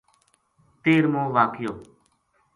تیرہموواقعو